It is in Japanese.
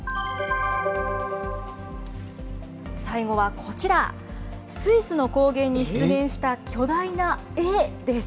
最後はこちら、スイスの高原に出現した巨大な絵です。